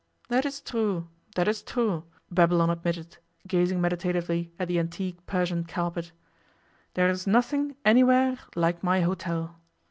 'That is true, that is true,' Babylon admitted, gazing meditatively at the antique Persian carpet. 'There is nothing, anywhere, like my hotel.